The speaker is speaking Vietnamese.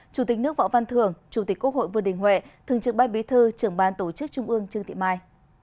chủ tịch nước võ văn thưởng chủ tịch quốc hội vương đình huệ thường trưởng ban bí thư trưởng ban tổ chức trung ương trương tị mai